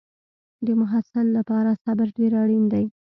د محصل لپاره صبر ډېر اړین دی.